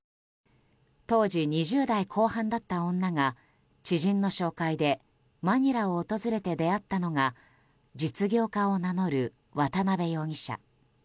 当時、２０代後半だった女が知人の紹介でマニラを訪れて出会ったのが実業家を名乗る渡邉容疑者。